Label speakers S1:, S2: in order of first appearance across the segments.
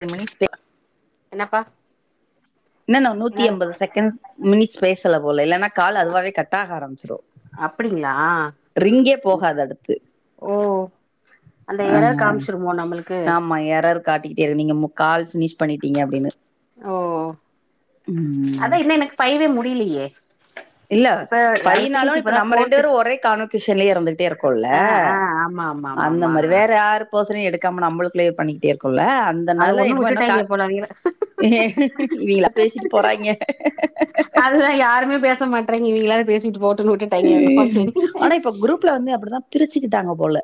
S1: Ten minutes பே
S2: என்னப்பா
S1: இன்ன ன
S2: என்ன
S1: நூத்தி எம்பது செகண்ட்ஸ் மினிட்ஸ் பேசல போல இல்லனா கால் அதுவாவே கட்டாக ஆரம்பிச்சிறு
S2: அப்டிங்களா
S1: ரிங்கே போகாது அடுத்து
S2: ஓ அந்த எரர்
S1: ஆஹ
S2: காமிச்சிருமோ நம்மளுக்கு
S1: ஆமா எரர் காட்டிக்கிட்டே இரு நீங்க கால் ஃபினிஷ் பண்ணீட்டீங்க அப்டின்னு
S2: ஓ
S1: ம்
S2: அதா இன்னு எனக்கு ஃபைவ்வே முடீலயே
S1: இல்ல ஃபைவ்னாலு இப்ப நம்ம ரெண்டு பேரு ஒரே கான்வகேஷன்லயே இருந்துட்டே இருக்கோல்ல
S2: ஆ ஆ ஆமா ஆமா ஆமா
S1: அந்த மாரி
S2: ஆமா
S1: வேற யாரு பர்சனையு எடுக்காம நம்மளுக்குள்ளயே பண்ணிக்கிட்டே இருக்குல்ல
S2: அது
S1: அந்தனால
S2: ஒண்ணு
S1: என்னமோ இன்னு கா
S2: விட்டுட்டாங்க போல அவிங்கள
S1: இவங்களா பேசிட்டு போறாய்ங்க
S2: அதுதா யாருமே பேச மாட்றாய்ங்க இவிங்களாது பேசிட்டு போட்டுன் விட்டுட்டு
S1: ஆனா இப்ப குரூப்ல வந்து அப்டிதா பிரிச்சுக்கிட்டாங்க போல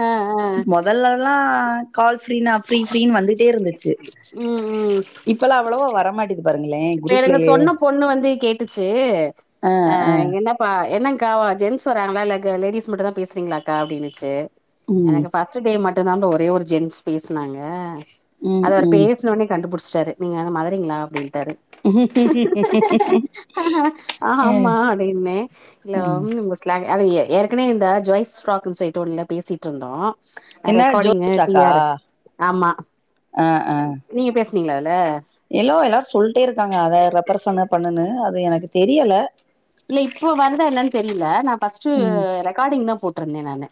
S2: ஆ ஆ
S1: மொதல்லல்லா கால் ஃப்ரீனா ஃபிரீ ஃப்ரீனு வந்துட்டே இருந்துச்சு
S2: ம்
S1: இப்பல்லா அவ்வளவா வரமாட்டிது
S2: வேறென்ன சொன்ன பொண்ணு வந்து கேட்டுச்சு
S1: ஆ
S2: அ
S1: ஆ
S2: என்ன பா என்னங்க்கா ஜென்ஸ் வராங்களா இல்ல க லேடிஸ் மட்டுந் தா பேசுறீங்களாக்கா அப்டின்னுச்சு
S1: ம்
S2: எனக்கு ஃப ஃபஸ்ட்டு டே மட்டுந்தாபா ஒரே ஒரு ஜென்ஸ் பேசுனாங்க
S1: ம்
S2: அது அவர்
S1: ம்
S2: பேஸ்னோனே கண்டுபுடுச்சுட்டாரு நீங்க எங்க மதுரைங்களா அப்டின்டாரு ஆமா அப்டின்னே இல்ல [unintelligible] லா அவிங்க ஏற்கனவே இந்த ஜாய்ஸ் ஸ்ட்ராக்குன் சொல்லிட்டு ஒன்னுல பேசிட்டு இருந்தோ
S1: என்ன
S2: ரெக்கார்டிங்கு
S1: ஜோஸ்
S2: டி
S1: ஸ்டாக்கா
S2: ஆரு ஆமா
S1: ஆ ஆ
S2: நீங்க பேசுனீங்களால அதுல
S1: எல்லோ எல்லாரு சொல்ட்டே இருக்காங்க அதை ரெஃபர் பண்ணு பண்ணுனு அது எனக்கு தெரியல
S2: இல்ல இப்ப வருதா என்னன்னு தெரில நா ஃபஸ்ட்டு
S1: ம்
S2: ரெக்கார்டிங் தா போட்ருந்தே நானு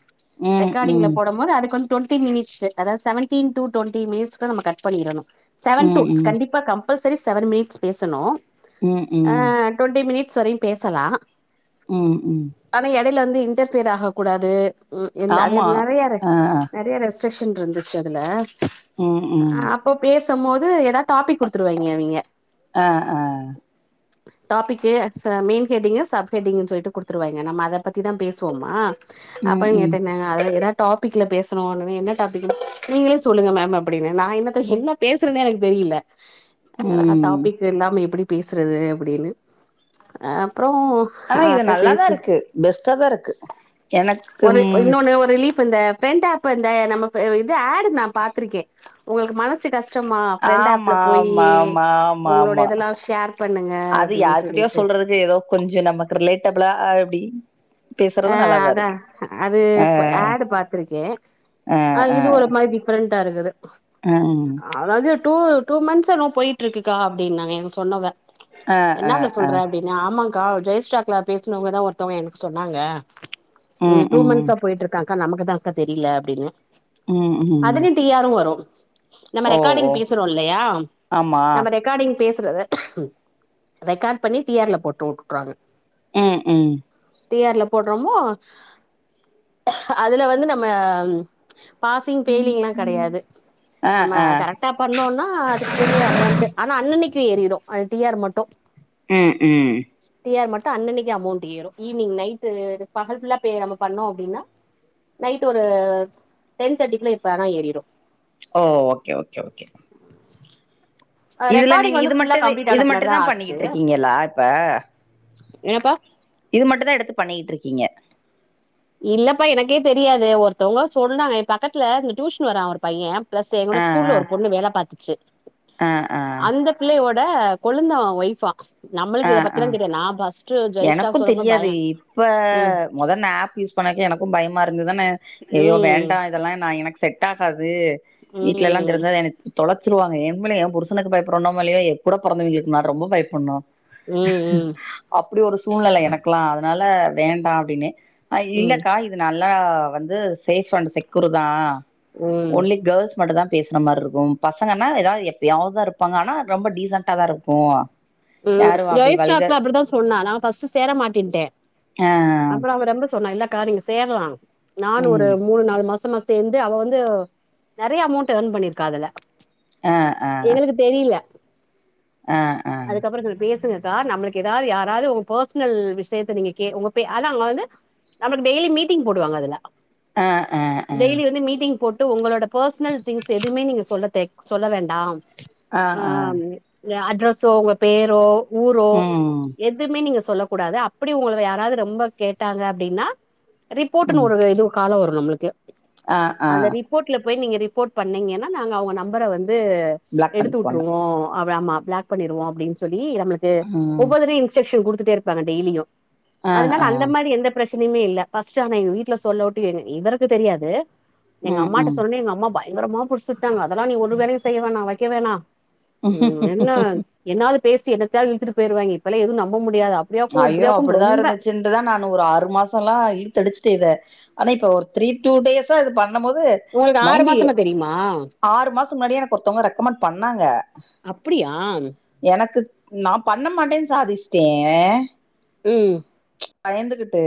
S1: ம்
S2: ரெக்கார்டிங்ல
S1: ம்
S2: போடுபோது அதுக்கு வந்து டொன்டி மினிட்ஷ் அதாது செவன்டின் டூ டொன்டி மினிட்ஸ்க்கு நம்ம கட் பண்ணிரணு செவன்
S1: ம்
S2: டூஷ்
S1: ம்
S2: கண்டிப்பா கம்பல்சரி செவன் மினிட்ஸ் பேசணு
S1: ம்ம்
S2: டொன்டி மினிட்ஸ் வரையு பேசலா
S1: ம்ம்
S2: ஆனா எடையில வந்து இன்டர்ஃபியர் ஆகக் கூடாது அது
S1: ஆமா
S2: நெறைய
S1: ஆ
S2: நெறைய ரெஸ் செக்ஷன் இருந்துச்சு அதுல
S1: ம் ம்
S2: அப் ப பேசுமோது எதா டாபிக் குடுத்துருவாய்ங்க அவிங்க
S1: அ அ
S2: டாபிக்கு மெயின் ஹெட்டிங்கு சப் ஹெட்டிங்கு சொல்ட்டு குடுத்துருவாய்ங்க நம்ம அத பத்தி தா பேசுவோமா
S1: ம்
S2: அப்பங்
S1: ம்
S2: கேட்டேங்க அத எதா டாப்பிக்கல பேசுணோனுமே என்ன டாபிக்கு நீங்ளே சொல்லுங்க மேம் அப்டின்னே நா என்னத்த என்ன பேசுறேன்னே எனக்கு தெரியில எதனா
S1: ம்
S2: டாபிக்கு இல்லாம எப்டி பேசுறது அப்டின்னு அ அப்றோ
S1: ஆனா இது
S2: அத பேசி
S1: நல்லாதாருக்கு பெஸ்டா தாருக்கு எனக்
S2: ஒரு
S1: ம்
S2: இன்னொன்னு ஒரு ரிலீஃப் இந்த ஃபெரண்ட் ஆப்பு இந்த நம்ம இது ஆட் நா பாத்திருக்கே உங்களுக்கு மனசு கஷ் டமா ஃப்ரெண்ட்
S1: ஆமா
S2: ஆப்ல போயி
S1: ஆமா ஆமா ஆமா
S2: உங்களோட
S1: ஆமா
S2: இதெல்லா ஷேர் பண்ணுங்க அப்டின்னு சொல்லிரு
S1: சொல்றது எதோ கொஞ்சோ நமக்கு ரிலேட்டபிளா அப்டி பேசுறது
S2: ஆ
S1: நல்லாதா
S2: அதா
S1: இருக்கு
S2: அது இப்ப ஆட் பாத்திருக்கே
S1: அ அ
S2: ஃடிப்ரெண்டா இருக்குது
S1: ம்
S2: அதாது டூ டூ மந்த்ஸ்ன்னோ போயிட்டு இருக்குக்கா அப்டின்னாங்க எனக் சொன்னவ
S1: ஆ ஆ
S2: என்னலப்ள
S1: ஆ
S2: சொல்ற அப்டின்னே ஆமாங்க்கா ஜொயஸ்டாக்ல பேசுனவங்கதா ஒருத்தவங்க எனக் சொன் னாங்க இங்க
S1: ம்
S2: டூ
S1: ம்
S2: மந்த்ஸா போயிட்டு இருக்காங்க்கா நமக்குதான்க்கா தெரியில அப்டின்னே
S1: ம் ம்
S2: அதிலியு டி ஆரு வரு நம்ம
S1: ஓ
S2: ரெக்கார்டிங்
S1: ஓ
S2: பேசுறோ இல்லயா
S1: ஆமா
S2: நம்ம ரெக்கார்டிங் பேசுறத ரெக்கார்ட் பண்ணி டி ஆர்ல போட்டுவுட்டுருவாங்க
S1: அ அ
S2: டி ஆர்ல போடுறோமோ அதுல வந்து நம்ம பாசிங் ஃபெய்லிங்லா கெடையாது
S1: ஆ
S2: நம்ம
S1: ஆ
S2: கரெக் டா பண்ணோனா அதுக்குரிய அமோண்ட் ஆனா அன்னன்னைக்கி ஏறிரு அது டி ஆர் மட்டு
S1: ம் ம்
S2: டி ஆர் மட்டு அன்னனைக்கி அமோண்ட் ஏறு ஈவ்னி்ங் நைட்டு பகல் ஃபுல்லா நம்ம பண்ணோ அப்டின்னா நைட்டு ஒரு டென் தேட்டிக்குள்ள எப்பனா ஏறிரு
S1: ஓ ஓகே ஓகே ஓகே இதுல
S2: ரெக்கார்டிங்
S1: நீங்க
S2: வந்து
S1: இது
S2: ஃபுல்லா
S1: மட்டு
S2: கம்ப்ளீட்
S1: இது
S2: ஆன
S1: மட்டு
S2: பின்னாடிதா
S1: தா
S2: ஆச்சு
S1: பண்ணிக்கிட்டு இருக்கீங்களா இப்ப
S2: என்னப்பா
S1: இது மட்டு தா எடுத்து பண்ணிகிட்டுருக்கீங்க
S2: இல்லப்பா எனக்கே தெரியாது ஒருத்தவுங்க சொன்னாங்க ஏ பக்கத்துல இந்த டியூஷன் வரா ஒரு பைய பிளஸ்சு என்னோட
S1: ஆ
S2: ஸ்கூல்ல ஒரு பொண்ணு வேல பாத்துச்சு
S1: ஆ ஆ
S2: அந்தப் பிள்ளயோட கொழுந்த ஒய்ஃபா நம்மளுக்கு இத பத்திலா தெரியாது நா பஸ்
S1: எனக்கும் தெரியாது இப்ப
S2: ம்
S1: மொத இந்த ஆப் யூஸ் பண்ணக்கே எனக்கும் பயமா இருந்து தானே ஐயோ
S2: ம்
S1: வேண்டா இதெல்லா நா எனக்கு செட் ஆகாது வீட்லலா தெரிஞ்சா எனக் தொலச்சிருவாங்க எம்முல ஏ புருஷனுக்கு பயப்புறோனோமோ இல்லயோ ஏ கூடப் பொறந்தவங்களுக்கு நா ரொம்போ பயப்புட்னு
S2: ம் ம் ம்
S1: அப்டி ஒரு சூழ்நெல எனக்லா அதனால வேண்டா அப்டின்னே ஆ
S2: ம்
S1: இல்லக்கா இது நல்லா வந்து சேஃப் அண்ட் செக்கூரு தா
S2: ம்
S1: ஒன்லி கேர்ள்ஸ் மட்டுந்தா பேசுன மாரி இருக்கு பசங்கன்னா ஏதாது எப்பயாவதுதா இருப்பாங்க ஆனா ரொம்ப டீசன்டா தா இருக்கு
S2: ம்
S1: யாரு அப்டி
S2: ஜொய்ஸ்டாக்ல
S1: வல்கர்
S2: அப்டிதா சொன்னா நா ஃபஸ்ட்டு சேர மாட்டேட்டே
S1: ஆ
S2: அப்புற அவ ரொம்ப சொன்னா இல்லக்கா நீங்க சேரலா நானு ஒரு
S1: ம்
S2: மூணு நாலு மாசமா சேந்து அவ வந்து நெறைய அமௌண்ட் எர்ன் பண்ணியிருக்கா அதுல
S1: ஆ ஆ
S2: தெரியில
S1: ஆ ஆ
S2: அதுக்கப்புற சொல் பேசுங்கக்கா நம்மளுக்கு ஏதாது யாராவது உங்க பர்சனல் விஷயத்த நீங்க கே உங்க பே ஆனா அங்க வந்து நமக்கு டெய்லி மீட்டிங் போடுவாங்க அதுல
S1: ஆ ஆ ஆ
S2: டெய்லி வந்து மீட்டிங் போட்டு உங்களோட பர்சனல் திங்ஸ் எதுமே நீங்க சொல்ல தே சொல்ல வேண்டா ஆ ஏ அட்ரஸ் சோ உங்க பேரோ ஊரோ
S1: ம்
S2: எத் துமே நீங்க சொல்லக்கூடாது அப்டி உங்கள யாராது ரொம்ப கேட்டாங்க அப்டின்னா ரிப்போர்ட்டுனு
S1: ம்
S2: ஒரு இது கால வரு நம்மளுக்கு
S1: ஆ ஆ
S2: அந்த ரிப் ரிப்போட்ல போய் நீங்க ரிப்போர்ட் பண்ணீங்கன்னா நாங்க அவுங்க நம்பர வந்து
S1: பிளாக்
S2: எடுத்து
S1: பண்ணிக்குவாங்க
S2: விட்ருவோ அவ ஆமா பிளாக் பண்ணிருவோ அப்டின்னு சொல்லி நம்மளுக் கு
S1: ம்
S2: ஒவ்வொரு தடவயு இன்ஸ்ட்ரக்ஷன் கொடுத்துட்டே இருப்பங்க டெய்லியு
S1: ஆ
S2: அதனால
S1: ஆ
S2: அந்த மாரி எந்த பிரச்சனையுமே இல்ல ஃபர்ஸ்ட்டு ஆனா எங்க வீட்ல சொல்ல உட்டு எங் இவருக்கு தெரியாது எங்க
S1: ம்
S2: அம்மாட்ட
S1: ம்
S2: சொன்னே எங்க அம்மா பயங்கரமா புரிச்சுட்டாங்க அதெல்லா நீ ஒரு வேலையு செய்ய வேணா வக்க வேணா ம் என்ன என்னாவது பேசி என்னத்தாவது இழுத்துட்டு போயிருவாங்க இப்பல்லா எதுவு நம்ப முடியாது அப்
S1: ஐயோ அப்படிதா இருந்துச்சுன்ட்டுதா நா ஒரு ஆறு மாசல்லா இழுத்தடிச்சுட்டே இத ஆனா இப்ப ஒரு த்ரீ டூ டேஸா இது பண்ணும் போது
S2: உங்களுக்கு ஆறு
S1: மைண்டு
S2: மாசமா தெரியுமா
S1: ஆறு மாசம் முன்னாடியே எனக்கு ஒருத்தவங்க ரெக்கமெண்ட் பண்ணாங்க
S2: அப்புடியா
S1: எனக்கு நா பண்ண மாட்டேன்னு சாதிச்சிட்டே
S2: ம்
S1: பயந்துக்கிட்டு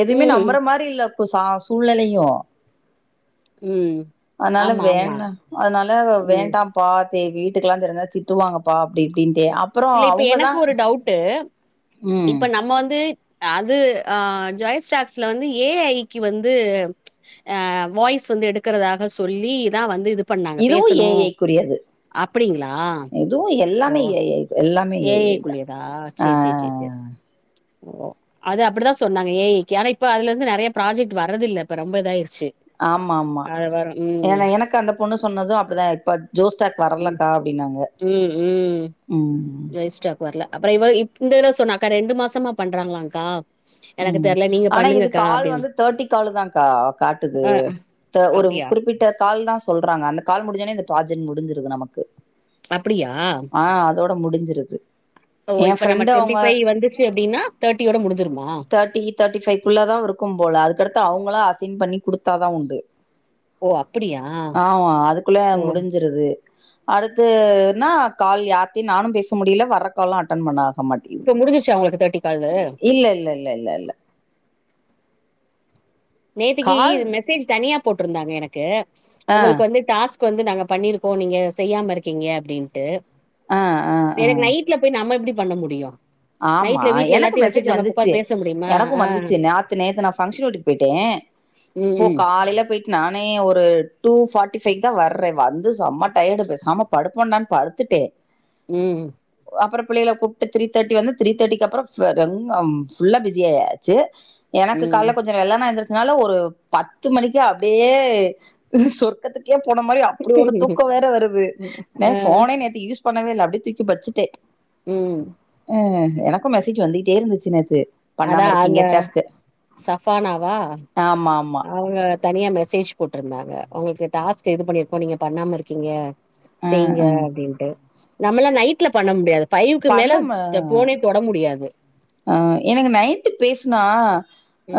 S1: எதுவுமே
S2: ம்
S1: நம்புற மாரி இல்ல அப்ப சா சூழ்நிலையும்
S2: ம்
S1: அதனால
S2: ஆமா ஆமா
S1: வேண்டா அதனால
S2: ம்
S1: வேண்டாம் ப்பாத்தே வீட்டுக்கெல்லா தெரிஞ்சா திட்டுவாங்கப்பா அப்டி இப்டின்னுட்டே அப்
S2: இல்ல இப்ப எனக்கு ஒரு டவுட்டு
S1: ம்
S2: இப்ப நம்ம வந்து அது ஆ ஜாய் ஸ்டாக்ஸ்ல வந்து ஏ ஐ க்கு வந்து ஆ வாய்ஸ் வந்து எடுக்கிறதாக சொல்லிதா வந்து இது பண்ணாங்க
S1: இதுவு
S2: பேசணு
S1: ஏ ஐ க்குரியது
S2: அப்டிங்களா
S1: இதுவு
S2: ஓ
S1: எல்லாமே ஏ எல்லாமே
S2: ஏ ஐ க்குரியதா
S1: ஆ
S2: சேரி சேரி சேரி சேரி ஓ அது அப்படிதா சொன்னாங்க ஏ ஐ க்கு இப்ப அதுலருந்து நெறைய ப்ராஜெக்ட் வர்றதுல்ல இப்ப ரொம்ப இதாயிருச்சு
S1: ஆமாம்மா
S2: அது வரு ம்
S1: ஏன்னா எனக்கு அந்த பொண்ணு சொன்னதும் அப்டிதான் இப்ப ஜோஸ்டாக்
S2: ம்
S1: வரலக்கா அப்டின்னாங்க
S2: ம்
S1: ம்
S2: ஜோஸ்டாக் வர்ல அப்பறோ இவ இந்த இது சொன்னாக்கா ரெண்டு மாசமா பண்றாங்களாகா
S1: ம் ஆனா இது கால் வந்து தெர்ட்டி கால் தான்க்கா காட்டுது
S2: ஆ
S1: ஒரு
S2: அப்டியா
S1: குறிப்பிட்ட கால் தான் சொல்றாங்க அந்த கால் முடிஞ்சோனே இந்த ப்ராஜெக்ட் முடிஞ்சிருது நமக்கு
S2: அப்டியா
S1: ஆ அதோட முடிஞ்சிருது
S2: ஓ
S1: எ
S2: இப்ப நம்ம
S1: ஃப்ரெண்டு
S2: டுவெண்டி
S1: அவங்க
S2: பைவ் வந்துச்சு அப்டின்னா தேர்டியோட முடிஞ்சிருமா
S1: தேர்டி தேர்டி பைவ்குள்ள தான் இருக்கும் போல அதுக்கடுத்து அவுங்கள அசைன் பண்ணி கொடுத்தாதான் உண்டு
S2: ஓ அப்டியா
S1: ஆமா அதுக்குள்ளே
S2: ஓ
S1: முடிஞ்சிருது அடுத்து நா கால் யார்டியும் நானும் பேச முடில வர்ற காலயும் அட்டென் பண்ணா வம்மாட்டிகுது
S2: இப்ப முடிஞ்சிருச்சா உங்களுக்கு தேர்ட்டி காலு
S1: இல்ல இல்ல இல்ல இல்ல இல்ல
S2: நேத்திகி
S1: கால்
S2: இது மெசேஜ் தனியா போட்டிருந்தாங்க எனக்கு
S1: ஆ
S2: உங்களுக்கு வந்து டாஸ்க் வந்து நாங்க பண்ணிருக்கோம் நீங்க செய்யாம இருக்கீங்க அப்டின்ட்டு
S1: ஆ ஆ ஆ
S2: எனக்கு நைட்ல போய் நாம்ம எப்டி பண்ண முடியும்
S1: ஆமா எனக்கும் மெசேஜ் வந்துச்சு
S2: முடியுமா
S1: எனக்கும்
S2: ஆ
S1: வந்துச்சு நாத்து நேத்து நான் ஃபங்ஷன் வீட் போய்ட்டேன்
S2: ம்
S1: போ
S2: ம்
S1: காலைலே போய் நானே ஒரு டூ ஃபார்ட்டி ஃபைவ் தான் வர்றேன் வந்து செம்ம டயர்டு பேசாம்ம படுப்போம்டான்னு படுத்துட்டேன்
S2: ம்
S1: அப்பறோ புள்ளைங்கள கூப்டு திரி தேட்டி வந்து த்ரீ தேட்டிக்கு அப்பறோ ஃப் டம் அம் ஃபுல்லா பிஸி ஆயாச்சு எனக்கு
S2: ம்
S1: கால கொஞ் வெள்ள நா எந்திரிசனால ஒரு பத்து மணிக்கு அப்டியே சொர்க்கத்துக்கு போன மாரி அப்டி ஒரு தூக்கோ வேற வருது ந
S2: ஆ
S1: போனே நேத்து யூஸ் பண்ணவே இல்ல அப்டே தூக்கி வச்சுட்டே
S2: ம்
S1: ம் எனக்கும் மெசேஜ் வந்துகிட்டே இருந்துச்சு நேத்து
S2: அட
S1: பண்ணாம
S2: அந்த
S1: இருக்கீங்க
S2: சஃபானாவா
S1: ஆமாம்
S2: அவுங்க தனியா மெசேஜ் போட்டிருந்தாங்க உங்களுக்கு டாஸ்க் இது பண்ணியிருக்கோ நீங்க பண்ணாம இருக்கீங்க
S1: அ
S2: செய்ங்க
S1: அ
S2: அப்டின்ட்டு நம்மெல்லாம் நைட்ல பண்ண முடியாது ஃபைவுக்கு மேல
S1: பண்ண
S2: என் போனே தொட முடியாது
S1: ஆ எனக்கு நைட்டு பேசுனா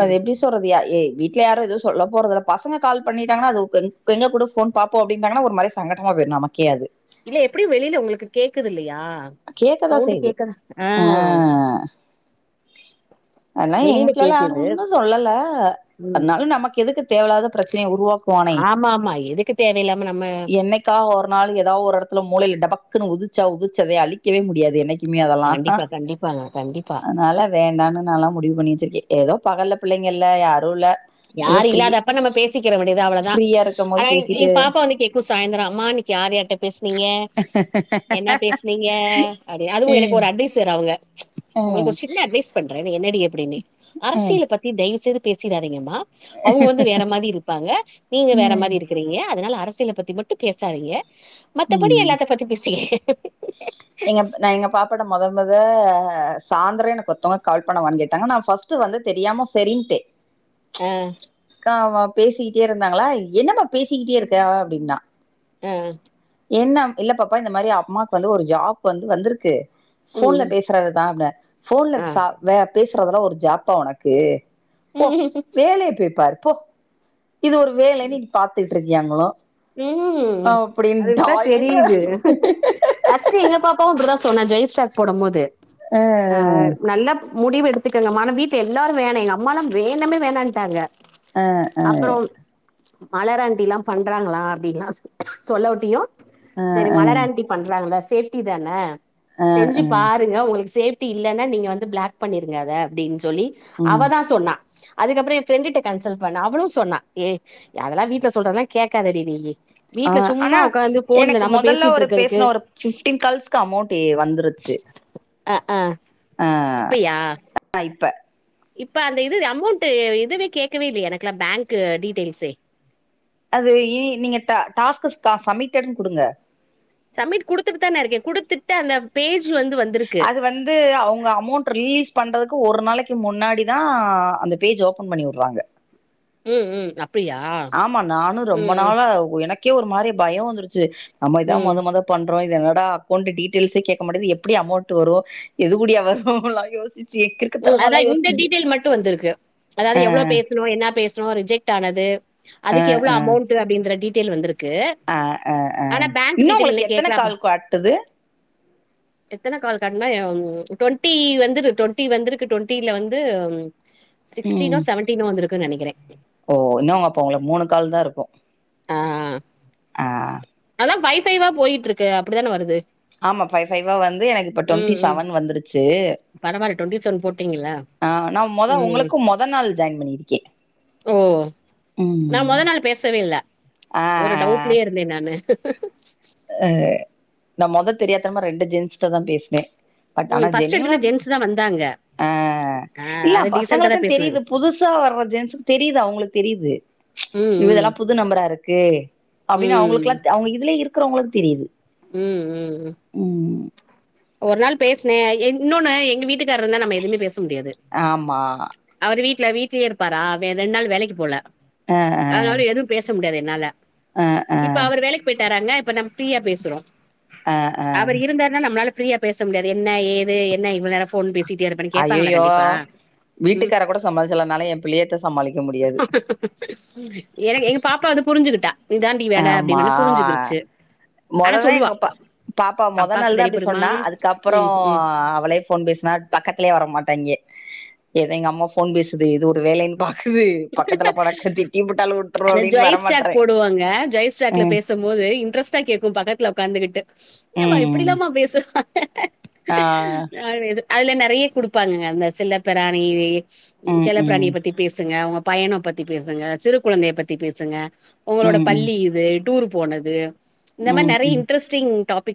S1: அது எப்டி சொல்றது ய ஏ வீட்ல யாரும் எதுவும் சொல்ல போறதில்ல பசங்க கால் பண்ணிட்டாங்கனா அது வந்து எங்க குடு ஃபோன் பாப்போம் அப்டி நாங்கன்னா ஒரு மாரி சங்கட்டமா போய்டும் நமக்கே அது
S2: இல்ல எப்டியும் வெளில உங்களுக்கு கேக்குது இல்லையா
S1: கேக்கதா
S2: சவுண்ட்
S1: செய்யுது
S2: கேக்க ஆ
S1: அதல்லாம்
S2: வெளில
S1: எங்வீட்லல்லாம்
S2: கேக்குது
S1: ஒன்னும் சொல்லல
S2: ம்
S1: அதனாலும் நமக்கு எதுக்கு தேவயில்லாத பிரச்சனைய உருவாக்
S2: ஆமாம்மா எதுக்கு தேவையில்லாம நம்ம
S1: க்கா ஒரு நாள் ஏதாவது ஒரு இடத்துல மூளைல டபக்குனு உதிச்சா உதிச்சதை அழிக்கவே முடியாது என்னைக்
S2: கண்டிப்பா கண்டிப்பாங்க கண்டிப்பா
S1: னால வேண்டாம்னு நாலாம் முடிவு பண்ணி வெச்சிருக்கேன் ஏதோ பகல்ல பிள்ளைங்க இல்ல யாரு இல்ல ஏதோ
S2: யாரு
S1: ஃப்ரீ
S2: இல்லாத அப்ப நம்ம பேசிக்கிற வேண்டியது தான் அவ்ளோதான்
S1: ஃப்ரீயா இருக்கும் போது
S2: ஆனா என்
S1: பேசிட்டு
S2: என் பாப்பா வந்து கேக்கும் சாய்ந்தரம் அம்மா இன்னைக்கு யார்யார்ட்ட பேஸ்னீங்க என்ன பேஸ்னீங்க அப்டி அதுவும் எனக்கு
S1: ம்
S2: ஒரு அட்வைஸ் டீச்சர் அவுங்க உங்களுக்கு ஒரு சின்ன அட்வைஸ் பண்றேன் என்னடி அப்டின்னே
S1: ம்
S2: அரசியல் பத் தி தயவு செய்து பேசிராதீங்கமா அவுங்க வந்து வேற மாரி இருப்பாங்க நீங்க வேற
S1: ம்
S2: மாரி இருப் க்குறீங்க அதனால அரசியல பத்தி மட்டு பேசாதீங்க மத்த படி
S1: ம்
S2: எல்லாத்த பத்தி பேசி
S1: இப்பட மொதல் மொத சாந்தரோ எனக்கு ஒத்தவங்க கால் பண்ணவான் கேட்டாங்க நா ஃபஸ்ட்டு வந்து தெரியாம செரின்ட்டே
S2: ஆ
S1: கா வா பேசிக்கிட்டே இருந்தாங்ளா என்னமா பேசிக்கிட்டே இருக்க அப்டின்னா
S2: ஆ
S1: என்ன இல்ல பாப்பா இந்த மாரி அம்மாக்கு வந்து ஒரு ஜாப் வந்து வந்துருக்கு ஃபோன்ல
S2: ம்,
S1: பேசுறதுதா அப்பன ஃபோன்ல
S2: ஆ.
S1: ச பேசுறதெல்லா ஒரு ஜாப்பா ஒனக்கு போ
S2: ம்.
S1: வேலய போய்பாரு போ இது ஒரு வேலைன்னு நீ பாத்துட்டு இருக்கியாங்களு
S2: அதுக்கு
S1: அப்டின்ட்டா எனக்கே
S2: ச்சு எங்க பாப்பாவு அப்டிதா சொன்னா ஜெய்ஸ்டாக் போடம்போது
S1: அ
S2: ஆ
S1: அ
S2: நல்ல முடிவு எடுத்துக்கங்க மா ஆனா வீட்ல எல்லாரு வேணா எங்கம்மாலா வேணமே வேணான்ட்டாங்க
S1: அ
S2: அப்றோ மலர் ஆன்ட்டில்லா பண்றாங்ளா அப்டின்லா சொல்லவுட்டியு
S1: அ
S2: செரி
S1: அ
S2: மலர் ஆன்ட்டி பண்றாங்ள சேஃப்டி தான
S1: அ
S2: செஞ்சு
S1: அ
S2: பா ருங்க ஒங்களுக்கு சேஃப்டி இல்லன்னா நீங்க வந்து ப்ளாக் பண்ணிருங்க அத அப்டின் சொல்லி
S1: ம்
S2: அவதா சொன்னா அதுக்கப்றோ எ ஃப்ரெண்ட்டுட்ட கன்சல்ட் பண்ண அவளு சொன்னா ஏ அதெல்லா வீட்ல சொல்றதெல்லா கேக்காதடி நீயி
S1: ஆ
S2: வீட்ல சும்மா
S1: ஆனா
S2: ஒக்காந்
S1: எனக்கு மொதல்ல ஒரு பேசுன ஒரு பிஃப்டீன் கால்ஸ்க்கு அமௌண்ட் எ வந்துருச்சு
S2: அ ஆ இப்பய்யா
S1: ஆ இப்ப
S2: இப்ப அந்த இது அமௌண்ட்டு எதுமே கேக்கவே இல்லயே எனக்கல்லா பேங்க்கு டீட்டெயில்ஸே
S1: அது இ நீங்க டா டாஸ்க்கஸ்கா சம்மிட்டட்னு குடுங்க
S2: சம்மிட் குடுத்துட்டு தான இருக்கே குடுத்துட்டு அந்த பேஜ் வந்து வந்துருக்கு
S1: அது வந்து அவுங்க அமௌண்ட் ரிலீஸ் பண்றதுக்கு ஒரு நாளைக்கு முன்னாடி தா அந்த பேஜ் ஓப்பன் பண்ணிவுட்றாங்க
S2: ம் ம் அப்டியா
S1: ஆமா நானு ரொம்ப
S2: ம் ம்
S1: நாள எனக்கே ஒரு மாரி பயோ வந்துடுச்சு நம்ம இதா
S2: ம்
S1: மொத மொத பண்றோ இது என்னடா அக்கௌண்ட் டீட்டெயில்ஸ்ஸே கேக்க மாட்டுது எப்டி அமௌண்ட்டு வரு எது கூடியா வருல்லா யோசிச்சு கி
S2: ம் அதா இந்த டீட்டெய்ல் மட்டு வந்திருக்கு அதாவ்து எவ்ளோ பேசுணோ என்ன பேசுணோ ரிஜெக்ட் ஆனது
S1: ஆ ஆ
S2: அதுக்கு எவ்ளோ அமௌண்ட்டு அப்டின்ற டீட்டெய்ல் வந்துருக்கு
S1: அ ஆ ஆ இன்னு ஒங்களுக்கு எத்தன
S2: கேக்கலப்பா
S1: கால் காட்டுது
S2: எத்தன கால் காட்டுன டுவெண்டி வந்தது டுவெண் டி வந்திருக்கு ட்வென்டில வந்து
S1: ம்
S2: சிக்ஸ்டினோ செவன்டினோ வந்திருக்குன் நெனைக்கிறே
S1: ஓ இன்னுங்க அப்ப ஒங்களுக்கு மூணு கால் தாருக்கு
S2: ஆ
S1: ஆ
S2: அல்லா ஃபை ஃபைவ் போய்ட்ருக்கு அப்டிதானே வருது
S1: ஆமா ஃபைவ் ஃபைவ் வந்து எனக்கு இப்ப ட்வென்டி
S2: ம் ம்
S1: செவன் வந்துருச்சு
S2: பரவால்ல போட்டீங்களா?
S1: ஆ நா மொத
S2: ம்.
S1: ஒங்களுக்கு மொத நாள் ஜாயின் பண்ணியிருக்கே
S2: ஓ நாமொத நாள் பேசவே இல்ல
S1: ஆ
S2: ஒரு
S1: ஆ
S2: டவு ட்லயே இருந்தே நானு
S1: அ நா மொத தெரியாதனமா ரெண்டு ஜென்ஸ்ட்ட தா பேசுனே பட் ஆனா
S2: ம் ஃபர்ஸ்ட்
S1: ஜெனியூனா
S2: எடுத்தோனே ஜென்ஸ் தா வந்தாங்க
S1: ஆ
S2: ஆ
S1: இல்ல
S2: அது டீசென்ட்டா
S1: பசங்களுக்கு
S2: தான் பேசுனாங்க.
S1: தெரிது புதுசா வர்ற ஜென்ஸ்க்கு தெரிது அவுங்களுக்கு தெரிது
S2: ம் ம்
S1: புது நம்பரா இருக்கு அப்டின்னு
S2: ம்.
S1: அவங்களுக்கெல்லா அவங்க இதுலயே இருக்கிறவங்களுக்கு தெரியுது
S2: ம் ம் ம்.
S1: ம்
S2: ஒரு நாள் பேசினே என் இன்னொன்னு எங்க வீட்டுக்காரர் இருந்தா நம்ம எதுவுமே பேச முடியாது
S1: ஆமா
S2: அவர் வீட்ல வீட்லயே இருப்பாரா ரெண்டு நாள் வேலைக்கு போல
S1: ஆ ஆ
S2: அதுனால எதுவு பேச முடியாது என்னால
S1: ஆ ஆ
S2: இப்ப அவர் வேலைக்கு போயிட்டாராங்க இப்ப நம். ஃப்ரீயா பேசுறோ
S1: ஆ ஆ
S2: அவர் இருந்தாருன்னா நம்மளால ஃபீரியா பேச முடியாது என்ன ஏது என்ன இவள நேர ஃபோன் பே சிட்டியே இருப்பன்னு கேப்பாங்கள்ள கண்டிப்பா
S1: அய்யய்யோ
S2: ம்.
S1: வீட்டுக்கார கூட சமாளிச்சிடலா என்னால ஏ பிள்ளையத்த சமாளிக்க முடியாது
S2: எனக்கு எங்க பாப்பா வந்து புரிஞ்சுகிட்டா இதாண்டி வேல
S1: ஆமா
S2: அப்டின்னோனே புரிஞ்சுக்கிருச்சு ஆனா
S1: மொததா
S2: சொல்லுவா
S1: எங்க பா பாப்பா மொத நாள்
S2: அப்பாக்கு
S1: தா
S2: தெரிய
S1: அப்டி
S2: போதுமா
S1: சொன்னா அதுக்கப்பறோ
S2: ம்
S1: ஆ
S2: ம்
S1: அவளே போன் பேசினா பக்கத்திலயே வர மாட்டாங்கே ஏதோ எங்க அம்மா போன் பேசுது இது ஒரு வேலைன்னு பா க்குது பக்கத்துல போணாக்க திட்டி புட்டாலு வுட்டுரு அப்டின்னு வரமாட்றே
S2: வாங்க ஜெய் ஸ்டாக்ல
S1: ம்
S2: பேசும் போது இன்ட்ரெஸ்டா கேக்கும் பக்கத்துல உக்காந்துகிட்டு என்னமா
S1: ம்
S2: இப்டிலாமா பேசு வாங்க
S1: ஆ
S2: [unintelligible] அதுல நெறைய குடுப்பாங்க அந்த செல்ல பிராணி
S1: ம்
S2: செல்ல
S1: ம்
S2: பிராணிய பத்தி சுங்க உங்க பையனை பத்தி பேசுங்க சிறு குழந்தையை பத்தி பேசுங்க உங்களோட
S1: ம் ம்
S2: பள்ளி இது டூர் போனது இந்த மாரி
S1: ம் ம்
S2: நெறைய இன்ட்ரெஸ்டிங் டாபிக்க